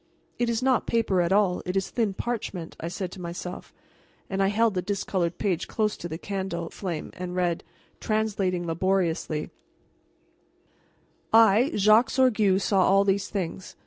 "It is not paper at all; it is thin parchment," I said to myself; and I held the discolored page close to the candle flame and read, translating laboriously: "I, Jacques Sorgue, saw all these things.